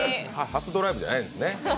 初ドライブじゃないんですね。